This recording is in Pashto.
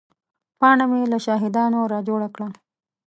پاڼه مې له شاهدانو را جوړه کړه.